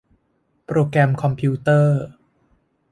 โปรแกรมคอมพิวเตอร์